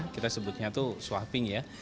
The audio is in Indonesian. kita sebutnya itu swaping ya